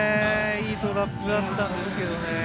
いいトラップだったんですけれどね。